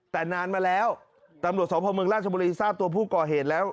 แต่นานมาแล้วตำรวจสวพเมลงราชบุริษัทตรวจชอบเฉทธุ์แล้ว